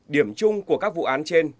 điểm chung của các vụ án trên